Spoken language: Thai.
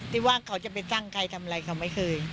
ที่ว่าเขาจะไปตั้งใครทำอะไรเขาไม่เคย